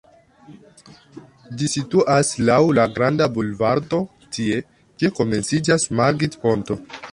Ĝi situas laŭ la "Granda Bulvardo" tie, kie komenciĝas Margit-ponto.